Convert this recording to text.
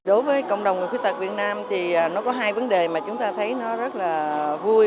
đối với cộng đồng người khuyết tật việt nam thì nó có hai vấn đề mà chúng ta thấy nó rất là vui